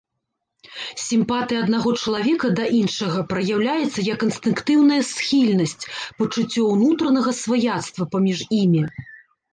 Сімпатыя аднаго чалавека да іншага праяўляецца як інстынктыўная схільнасць, пачуццё ўнутранага сваяцтва паміж імі.